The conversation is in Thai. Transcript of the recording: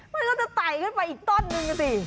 มันก็จะไตขึ้นไปอีกต้อนหนึ่งกันสิ